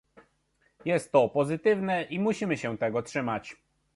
Jest to pozytywne i musimy się tego trzymać